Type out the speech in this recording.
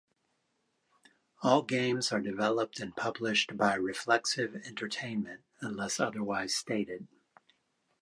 All games are developed and published by Reflexive Entertainment unless otherwise stated.